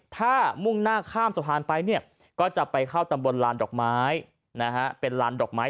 ถ้ามุ่งหน้าข้ามสะพานไปเนี่ยก็จะไปเข้าตำบลลานดอกไม้นะฮะเป็นลานดอกไม้